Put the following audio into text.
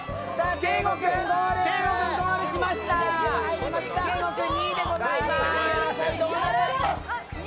けいご君、２位でございます。